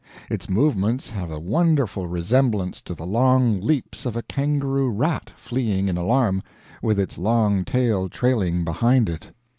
. Its movements have a wonderful resemblance to the long leaps of a kangaroo rat fleeing in alarm, with its long tail trailing behind it."